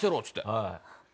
はい。